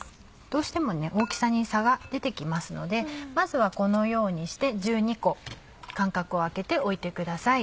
どうしても大きさに差が出て来ますのでまずはこのようにして１２個間隔を空けて置いてください。